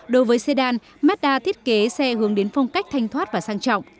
đối với xe đan mazda thiết kế xe hướng đến phong cách thanh thoát và sang trọng